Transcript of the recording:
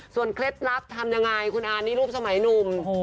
เคล็ดลับทำยังไงคุณอานี่รูปสมัยหนุ่ม